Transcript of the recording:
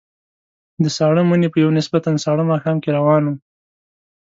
د ساړه مني په یوه نسبتاً ساړه ماښام کې روان وو.